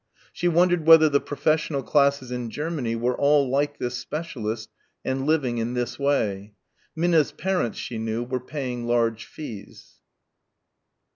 She wondered whether the professional classes in Germany were all like this specialist and living in this way. Minna's parents she knew were paying large fees.